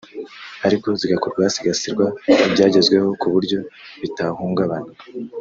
ariko zigakorwa hasigasirwa ibyagezweho ku buryo bitahungabana